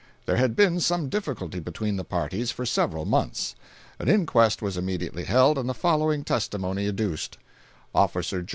There had been some difficulty between the parties for several months. An inquest was immediately held, and the following testimony adduced: Officer GEO.